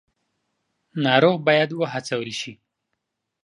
ناروغ باید وهڅول شي.